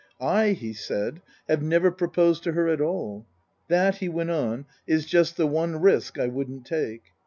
" I," he said, " have never proposed to her at all. " That," he went on, " is just the one risk I wouldn't take.